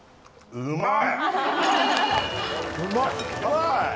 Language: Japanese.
うまい！